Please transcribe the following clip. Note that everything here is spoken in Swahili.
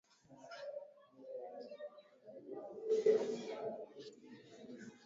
tayari nchi kadhaa zikiwemo marekani ufaransa na uingereza